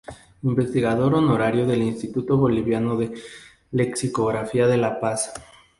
Investigador honorario del Instituto Boliviano de Lexicografía de La Paz.